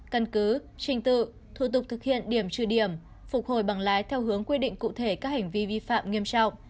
căn cứ trình tự thủ tục thực hiện điểm trừ điểm phục hồi bằng lái theo hướng quy định cụ thể các hành vi vi phạm nghiêm trọng